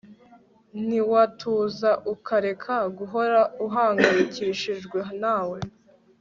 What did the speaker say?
ntiwatuza ukareka guhora uhangayikishijwe nawe